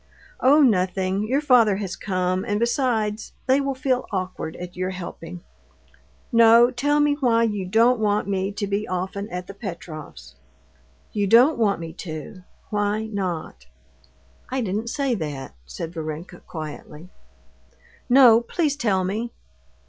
"Oh, nothing; your father has come, and besides, they will feel awkward at your helping." "No, tell me why you don't want me to be often at the Petrovs'. You don't want me to—why not?" "I didn't say that," said Varenka quietly. "No, please tell me!"